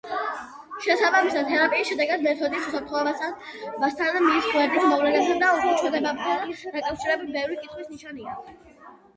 შესაბამისად, თერაპიის შედეგებთან, მეთოდის უსაფრთხოებასთან, მის გვერდით მოვლენებთან და უკუჩვენებებთან დაკავშირებით, ბევრი კითხვის ნიშანია.